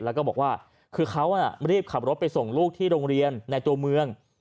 แล้วก็บอกว่าคือเขารีบขับรถไปส่งลูกที่โรงเรียนในตัวเมือง